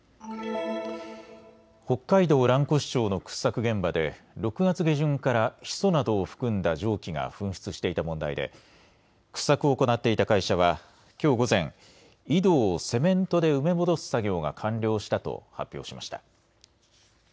北海道蘭越町の掘削現場で６月下旬からヒ素などを含んだ蒸気が噴出していた問題で掘削を行っていた会社はきょう午前、井戸をセメントで埋め戻す作業が完了したと発表しました。